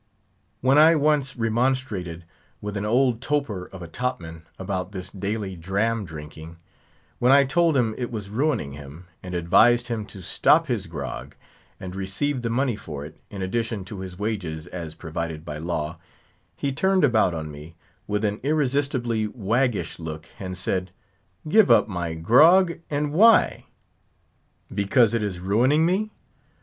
When I once remonstrated with an old toper of a top man about this daily dram drinking; when I told him it was ruining him, and advised him to stop his grog and receive the money for it, in addition to his wages as provided by law, he turned about on me, with an irresistibly waggish look, and said, "Give up my grog? And why? Because it is ruining me?